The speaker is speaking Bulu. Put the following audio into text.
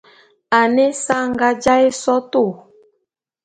Ane ésa anga jaé sotô.